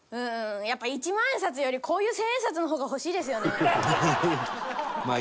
やっぱ一万円札よりこういう千円札の方が欲しいですよね。